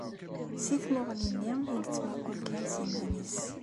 Si tmuɣli-nni i yettmuqul kan s iman-is.